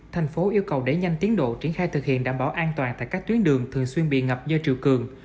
tp hcm yêu cầu để nhanh tiến độ triển khai thực hiện đảm bảo an toàn tại các tuyến đường thường xuyên bị ngập do chiều cường